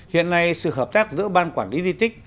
hiện nay sự hợp tác giữa ban quản lý di tích